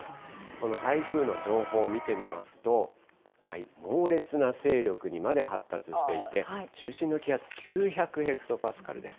この台風の情報を見てみますと、猛烈な勢力にまで発達していて、中心の気圧、９００ヘクトパスカルです。